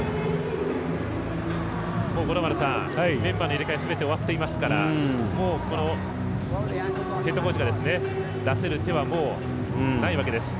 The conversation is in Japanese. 五郎丸さん、メンバーの入れ替えすべて終わっていますからこのヘッドコーチが出せる手は、もう、ないわけです。